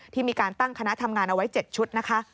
มีการตั้งคณะทำงานเอาไว้๗ชุดนะคะ